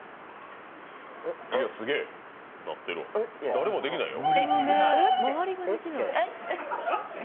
誰もできないよ。